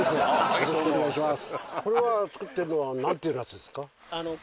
よろしくお願いします